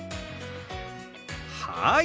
はい！